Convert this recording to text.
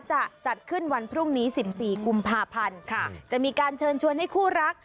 จะจัดขึ้นวันพรุ่งนี้๑๔กุมภาพันธ์ค่ะจะมีการเชิญชวนให้คู่รัก